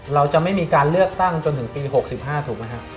เราจะไม่มีการเลือกตั้งจนถึงปี๖๕ถูกไหมครับ